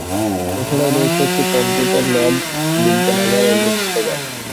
এছাড়াও রয়েছে একটি কম্পিউটার ল্যাব, বিজ্ঞানাগার ও গ্রন্থাগার।